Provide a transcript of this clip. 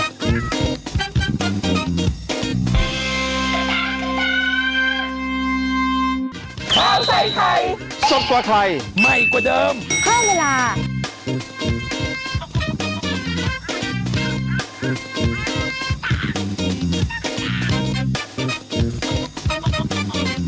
ข้าวใส่ไทยสดกว่าไทยใหม่กว่าเดิมเพิ่มเวลา